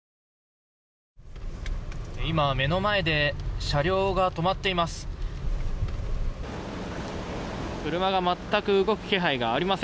今、目の前で車両が止まっています。